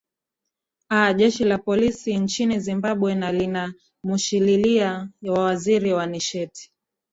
aa jeshi la polisi nchini zimbabwe na linamushililia wa waziri wa nisheti